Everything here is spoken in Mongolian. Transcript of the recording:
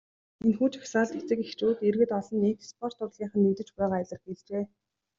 Энэхүү жагсаалд эцэг эхчүүд, иргэд олон нийт, спорт, урлагийнхан нэгдэж буйгаа илэрхийлжээ.